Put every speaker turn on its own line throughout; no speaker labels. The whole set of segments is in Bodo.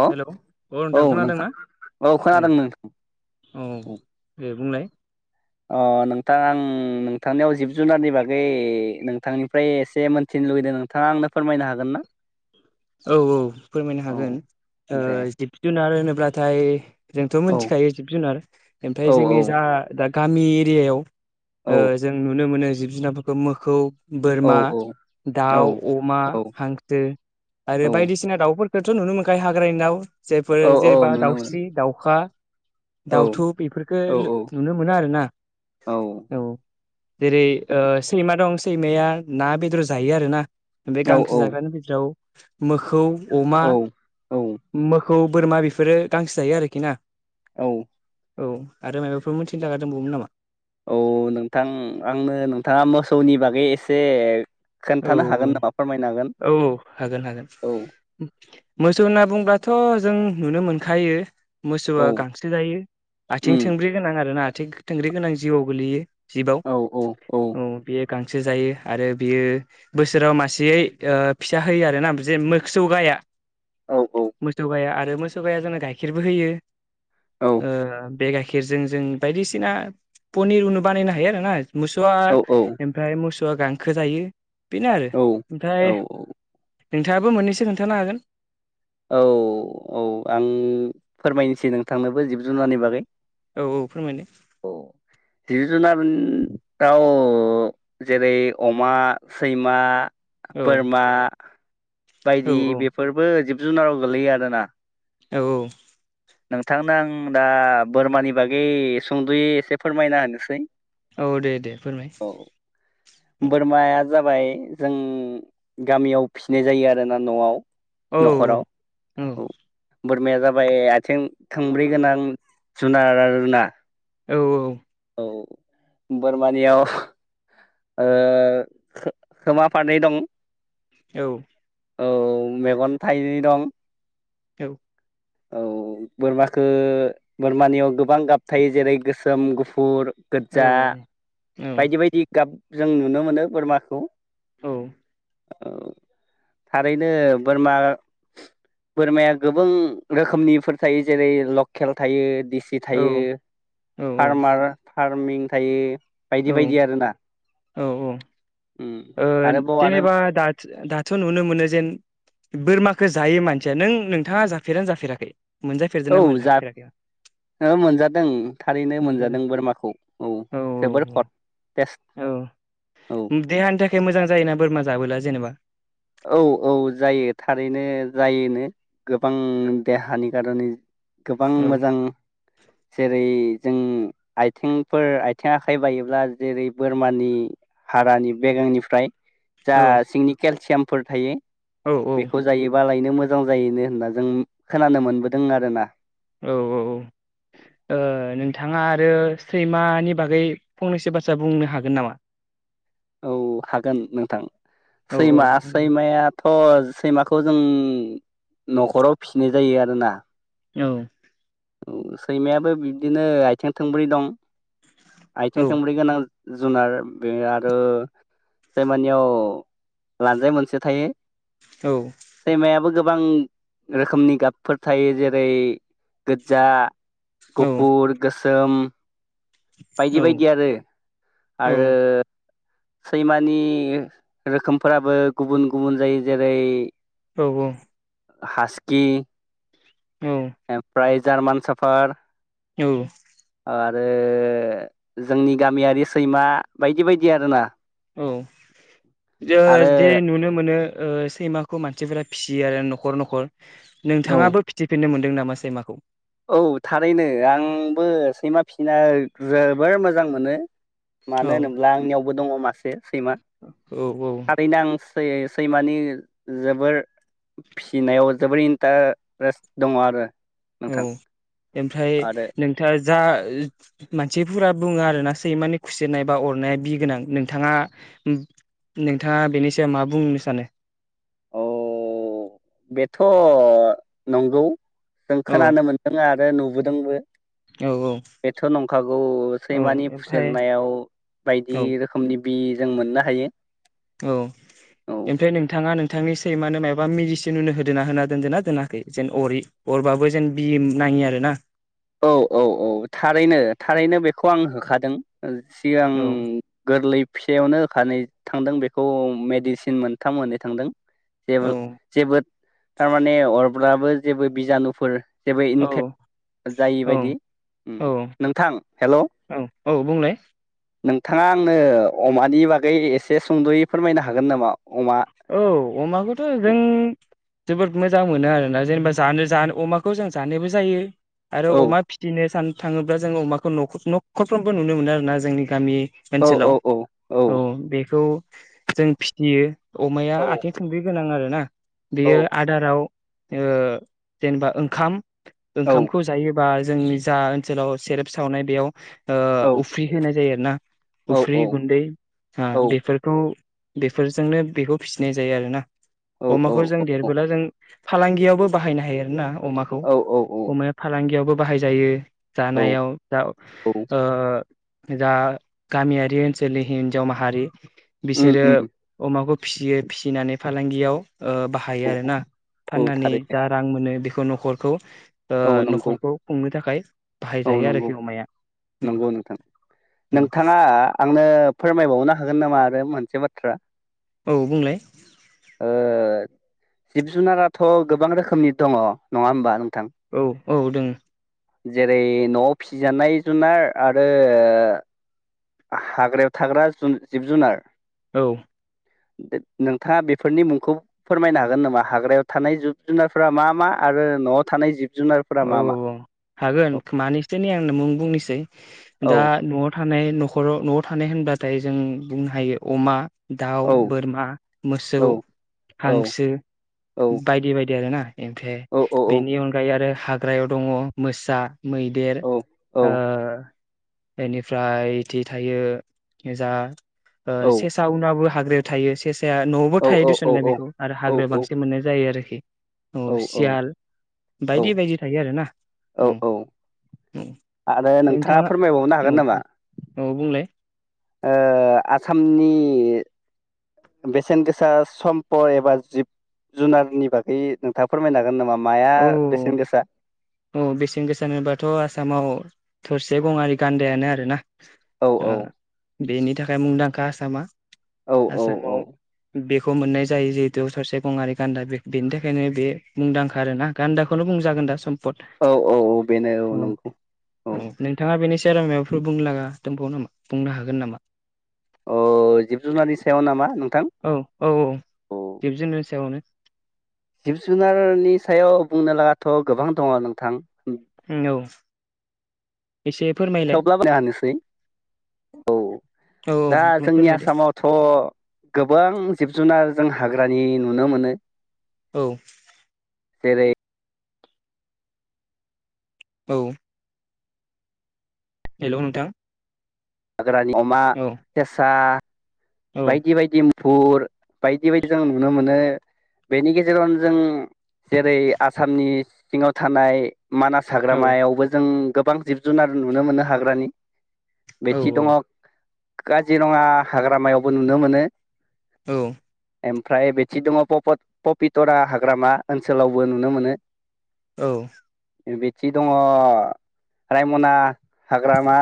औ
हेलौ, अ नोंथां खोनादोंना औ
खोनादों नोंथां
औ दे बुंनाय
अ‌ नोंथा आं नोंथांनियाव जिब-जुनारनि बागै नोंथांनिफ्राय एसे मोनथिनो लुुबैदों नोंथाङा आंनो फोरमायनो हागोन ना?
औ औ फोरमायनो
औ
हागोन ओ
दे
जिब-जुनार होनो ब्राथाय जोंथ'
औ
मिथिखायो जिब-जुनार ओमफाय
औ
जोंनि
औ
जा दा गामि एरियाव
औ
ओ जों नुनो मोनो। जिब-जुनारफोरखौ मोखौ
औ
बोरमा,
औ
दाउ, अमा,
औ
हांसो आरो
औ
बायदिसिना दाउ फोरखौथ' नुनो मोनखायो हाग्रानि दाउ जेफोर
औ औ
जेनेबा
नुनो मोनो
दाउस्रि, दाउखा,
औ
दाउथु बेफोरफोरखो
औ औ
नुनो मोनो आरोना औ जेरै ओ सैमा दं सैमाया ना बेदर जायो आरो ना बे गांसो जाग्रानि बिथोराव मोखौ अमा,
औ
मो खौ, बोरमा बेफोरो गांसो जायो आरोखि ना
औ
औ आरो माबाफोर मिथिनो लागा दंबावोमोन नामा।
औ नोंथां आंनो नोंथाङा मोसौनि बागै एसे
औ
खोन्थानो हागोन नामा फोरमायनो हागोन
औ औ हागोन हागोन।
औ
मोसौ होनना बुंब्लाथ' जों नुनो मोनखायो।
औ
मोसौआ गांसो जायो आथिं
उम
थोंब्रै गोनां आरो ना। थिं थोंग्रै गोनां जिउआव गोग्लैयो। जिबआव
औ औ
औ बे गांसो जायो आरो बियो बोसोराव मासेयै ओ फिसा होयो आरोना जे मोसौ गाया।
औ औ
मोसौ गाया आर बे मोसौ गाया जोंनो गाइखेरबो होयो।
औ
ओम बे गाइखेरजों जों बायदिसिना पनिर उनु बानायनो हायो आरोना। मोसौआ
औ
ओमफ्राय मोसौ थ गांखो जायो। बेना आरो
औ औ
ओमफ्राय नोंथाङाबो मोननैसो खोन्थानो हागोन।
औ औ आं फोरमायनोसै नोंथांनोबो जिब जुनारनि बागै।
औ औ फोरमायदो।
औ जिब जुनार औ अ जेरै अमा, सैमा
औ
बोरमा बायदि
औ औ
बेफोरबो जुनाराव गोगलैयो आरोना।
औ औ
नोंथांनो आं दा बोरमानि बागै सुंद'यै एसे फोरमायना होनोसै।
औ दे दे फोरमाय औ।
बोरमाया जाबाय जों गामियाव फिसिनाय जायो आरोना न'आव।
औ
न'खराव औ। बोरमाया जाबाय आइ थिं थोंब्रै गोनां जुनार आरोना।
औ औ
औ बोरमानियाव ओ खोमा फारनै दं।
औ।
औ मेगन थाइनै दं।
औ
औ बोरमाखौ बोरमानियाव गोबां गाब थायो जेरै गोसोम, गुफुर, गोज्जा बायदि बायदि गाब जों नुनो मोनो बोरमाखौ।
औ।
औ। थारैनो बोरमा बोरमाया गोबां रोखोमनिफोर थायो जेरै लकेल थायो, दिस सि थायो, फार्मार फार फार्मिं थायो, बायदि बायदि आरोना।
औ औ
उम
ओ
आरोबाव आरो
जेनेबा दाथ दाथ' नु नुनो मोनो जेन बोरमाखो जायो मानसिया। नों-नोंथाङा जाफेरोना जाफेराखै? मोनजाफेरदों
औ
ना
जा
मोनजाफेराखै?
मोनजादों थारैनो मोनजादों बोरमाखौ औ जोबोर हट
औ देहानि थाखाय मोजां जायोना बोरमा जाबोला जेनेबा।
औ औ जायो थारैनो जायोनो गोबां देहानि कार'नै गोबां
औ
मोजां जेरै जों आथिंफोर आथें आखाइ बायोब्ला जेरै बोरमानि हारानि बेगंनिफ्राय जा
औ
सिगनिकेल सेम फोर थायो।
औ
बेखौ
औ
जायोबालाय नो मोजां जायोनो होनना जों खोनानो मोनबोदों आरोना।
औ औ औ। ओ नोंथाङा आरो सैमानि बागै फंनैसो बाथ्रा बुंनो हागोन नामा?
औ हागोन नोंथां
औ
सैमा,
औ औ
सैमाया थ' सैमाखौ जों न'खराव फिसिनाय जायो आरोना।
औ।
औ सैमायाबो बिब्दिनो आइथें थोंब्रै दं।
औ
आइथें थोंब्रै गोनां जुनार बे आरो सैमानियाव लान्जाय मोनसे थायो।
औ
सैमायाबो गोब बां रोखोमनि गाबफोर थायो, जेरै गोज्जा, गुफुर, गोस सोम, बायदि बायदि आरो, आरो सैमानि रोखोमफोराबो गुबुन गुबुन जायो जेरै
औ औ।
हाजकि,
औ
प्राइज जार्मान साफार
[unintelligible]
आरो जोंनि गामियारि सैमा बायदि बायदि आरोना
औ
आरो
जे नुनो मोनो ओ सैमाखौ मानसिफोरा फिसियो आरो न'खर न'खर
औ
नोंथाङाबो फिथिफिननो मोनदों नामा मा सैमाखौ
औ थारैनो आंबो सैमा फिसिनो जोबोर मोजां मोनो
औ
मानो होनोब्ला आंनियाव दङ मासे सैमा
औ औ
थारैनो आं सै सैमानि जोबोर फिसिनायाव जोबोर इन्टारेस्ट दङ आरो
औ
नोंथां
ओमफ्राय
आरो
नोंथाङा जा मानसिफोरा बुङो आरोना सैमानि खुसिनाय बा अरनाया बि गोनां नोंथाङा नोंथाङा बेनि सायाव मा बुंनो सानो
औ बेथ नंगौ। जों
औ
खोनानो मोनदों आरो। ओमफ्राय नुबोदोंबो।
औ औ
बेथ नंखागौ
औ
सैमानि
ओमफ्राय
फुसेेरनायाव
औ
बायदि रोखोमनि। बि जों मोननो हायो।
औ
औ
ओमफ्राय नोंथाङा नोंथांनि स सैमानो मायाबा मेदिसिन होननो होदा होना दोनद ना दोनाखै जेन अरि अरबाबो जेन बि नाङि आरो ना।
औ औ औ थारैनो थारैनो बेखौ आं होखादों। सिगां
औ
गोरलै फिसायावनो होखानाय थांदों बेखौ मेडिसिन मोनथाम मोननै थांदों। जेबो
औ
जेबो थारमाने अरबा अब्लाबो जेबो बिजानुफोर जेबो इनफेक जाय
औ
बदि
औ
नोंथां हेलौ।
औ औ बुंलाय
नोंथांङा आंनो अमानि बागै एसे सुंदयै फोरमायनो हागोन नामा अमा
औ अमाखौथ जों
औ
जोबोद मोजां मोनो आरोना जेनेबा जानो जानो अमाखौ जों जानायबो जायो। आरो अमा
औ
फिसिनो सान थाङोब्ला जोङो अमाखौ नख न'खरफ्रोमबो नुनो मोनो आरो ना जोंनि गामि।
औ
ओनसोलाव
औ
औ बेखौ जों फिसियो। अमाया
औ
आथिं थोंब्रै गोनां आरोना।
औ
बेयो आदाराव ओ जेनेबा ओंखाम।
औ
ओंखामखौ जायो। बा जोंनि जा ओनसोलाव सेरेप सावनाय बेयाव ओ
औ
उफ्रि होनाय जायो आरो ना
औ औ
उफ्रि गुन्दै हा
औ
बेफोरखौ। बेफोरजोंनो बेखौ फिसिनाय जायो आरो ना।
औ औ
अमाखौ जों देरबोला जों। फालांगियावबो बाहायनो हायो आर ना। अमाखौ
औ
अमाया फालांगियावबो बाहायजायो।
औ
जानायाव जा ओ
औ
दा गामियारि ओनसोलनि हिनजाव माहारि बिसोरो अमाखौ फिसियो फिसिनानै फालांगियाव ओ बाहायो
औ
आरो ना
औ
फाननानै
थारैनो
जा रां मोनो बे खौ न'खरखौ ओ
औ नंगौ
न'खरखौ खुंनो थाखाय
औ
बाहायजायो
नंगौ
आरोखि अमाया औ
नंगौ नोंथां
औ
नोंथाङा आंनो फोरमायबावनो हागोन नामा आरो मोन से बाथ्रा।
औ बुंलाय।
ओ जिब जुनाराथ' गोबां रोखोमनि दङ नङा होमबा नोंथां?
औ औ दोङो।
जेरै न'आव फिसिजानाय जुनार आरो हाग्रायाव थाग्रा जिब जुनार।
औ।
नोंथाङा बेफोरनि मुंखौ फोरमायनो हागोन नामा हाग्रायाव थानाय जिब जुनारफोरा मा मा आरो न'आव थानाय जिब जुनारफोरा मा मा
औ हागोन मानैसो नि आंङो मुं बुंनोसै।
औ
दा न'आव थानाय नख खराव न'आव थानाय होनब्लाथाय जों बुंनो हायो अमा। दाउ
औ
बोरमा मोसौ
औ औ
हांसो
औ
बायदि बायदि आरोना। एमफ्राय
औ औ
बेनि अनगायै आरो हाग्रायाव दङ मोसा मैदेर
औ
ओ बेनिफ्राय बिदि थायो जा सेसा उनाबो हाग्रायाव थायो सेसा साया न'आवबो
औ
थायो
औ
दुसुुनलाय
औ
बेखौ आरो हाग्रायाव बांसिन मोननाय जायो आरो। [unintelligible] औ सियाल
औ
बायदि बायदि। थायो आरोना
औ औ
औ
आरो नोंथाङा फोरमायबावनो
औ
हागोन नामा?
औ बुंलाय
ओ आसामनि बेसेन गोसा सम्पद एबा जिब जुनारनि बागै नोंथाङा फोरमायनो हागोन नामा? माया
औ
बेसेन गोसा?
औ बेसेन होनोबाथ आसामाव थरसे गङारि गान्दायानो आरो ना।
औ औ
बेनि थाखाय मुंदांखा आसामा।
औ औ
आसामाव बेख बेखौ मोननाय जायो जिहेतु ससे गङारि गान्दा बे बेनि थाखायनो बे मुंदांखा आरोना गान्दाखौनो बुंजागोन दा सम
औ औ औ बेनो औ नंगौ औ।
सेरा माबाफोर बुंलाङा दंबाव नामा बुंनो हागोन नामा?
अ जिब जुनारनि सायाव नामा नों
औ औ औ दिबजेनन्नायनि सायावनो
जिब जुनारनि सायाव बुंनो लागाथ' गोबां दङ नोंथां।
औ एसे फोरमायलाय
थेवब्ला [unintelligible] हानोसै औ
औ
दा
औ
जोंनि
फोरमायदो
आसामावथ' गोबां जिब जुनार जों हाग्रानि नुनो मोनो।
औ
जेरै
औ हेल' नोंथां
गोरानि अमा
औ
केेसा
औ
बायदि बायदि पुर बायदि बायदि जों नुनो मोनो बेनि गेजेरावनो जों जेरै आसामनि सिङाव थानाय मानास
औ
हाग्रामायावबो जों गोबां जिब जुनार नुनो मोनो हाग्रानि
औ
बेथि दङग काजिरङा हाग्रामायाव खौ नुनो मोनो।
औ
एमफ्राय बेथि दङ पपत पपितरा हाग्रामा ओनसोलावबो नुनो मोनो।
औ
बिथि दङ रायमना हाग्रामा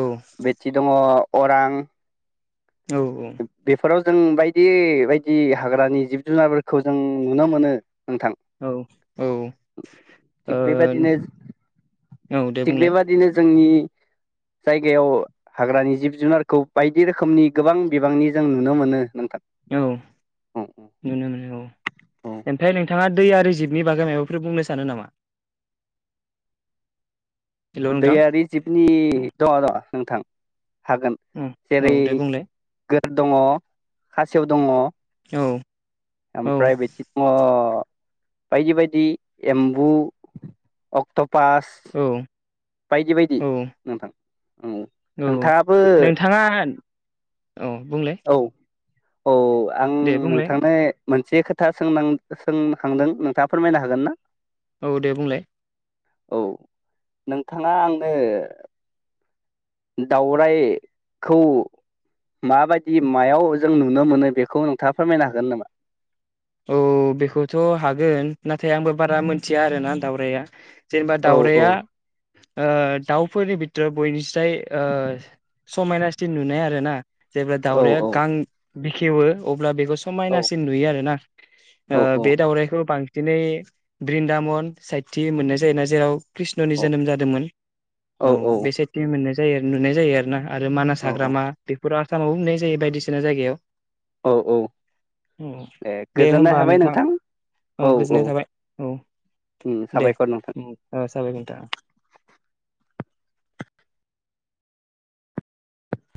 औ
बेथि दङ अरां
औ औ
बेफोराव जों बायदि बायदि हाग्रानि जिब जुनारफोरखौ जों नुनो मोनो। नोंथां
औ ओ
थिग बेबादिनो
औ दे
थिग
बुंलाय
बेबादिनो जोंनि जायगायाव हाग्रानि जिब जुनारखौ बायदि रोखोमनि गोबां बिबांनि जों नुनो मोनो नोंथा
औ नुनो मोनो औ
औ
ओमफ्राय नोंथाङा दै आरो जिबनि बागै माबाफोर बुंनो सानो नामा? हेल' नोंथां
दैैयारि जिबनि दङ दङ नोंथां हागोन
औ औ
जेरै
दे बुंलाय
गो दङ खासेव दङ
औ औ
ओमफ्राय बेथि [unintelligible] बायदि बायदि एम्बु अक्ट' पास
औ
बायदि बायदि
औ
नोंथां औ
औ
नोंथाङाबो
नोंथाङा औ बुंलाय
औ औ आं
दे बुंलाय
नोंथांनाय मोनसे खोथा सोंनां सोंहांदों नोंथाङा फोरमायनो हागोन ना?
औ दे बुंलाय
औ नोंथाङा आंनो दावरायखौ माबायदि मायाव जों नुनो मोनो बेखौ नोंथाङा फोरमायनो हागोन नामा?
औ बेखौथ' हागोन नाथाय आंबो बारा मोनथिया आरोना दावराया जेनेबा
औ औ
दाउराया ओ दाउ फोरनि बिथोराव बयनिस्राय ओ समायनासिन नुनाय आरो ना जेब्ला
औ
दावराया
औ
गां बेखेवो अब्ला बेखौ
औ
समायनासिन नुयो आरो ना। ओह
औ औ
बे दाउरायखौ बांसिनै ब्रिन्दामन साइतथि मोननाय जायोना जेराव कृष्णनि
औ
जोनोम जादोंमोन औ बे साइतथि मोननाय जायो नुनाय जायो आरो ना आरो मानास
औ
हाग्रामा बेफोर सानावबो नुनाय जायो बायदिसिना जायगायाव
औ औ
औ
दे
दे होमबा नोंथां औ गोजोननाय थाबाय औ
उम
दे
साबायखर नोंथां।
जाबाय नोंथां